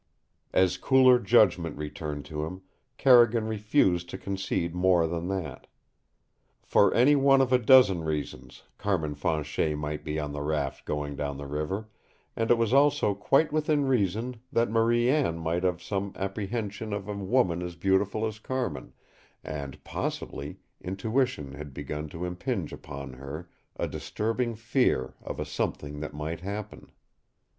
As cooler judgment returned to him, Carrigan refused to concede more than that. For any one of a dozen reasons Carmin Fanchet might be on the raft going down the river, and it was also quite within reason that Marie Anne might have some apprehension of a woman as beautiful as Carmin, and possibly intuition had begun to impinge upon her a disturbing fear of a something that might happen.